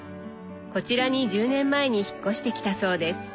こちらに１０年前に引っ越してきたそうです。